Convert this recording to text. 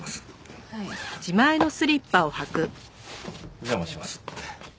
お邪魔します。